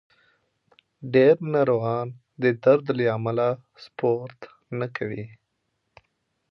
ډېر ناروغان د درد له امله سپورت نه کوي.